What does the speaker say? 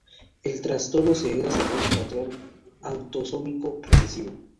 El trastorno se hereda según un patrón autosómico recesivo.